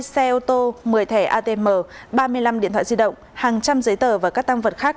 một xe ô tô một mươi thẻ atm ba mươi năm điện thoại di động hàng trăm giấy tờ và các tăng vật khác